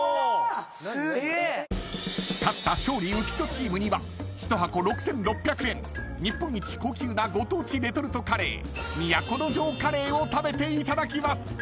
［勝った勝利・浮所チームには１箱６，６００円日本一高級なご当地レトルトカレー都城華礼を食べていただきます］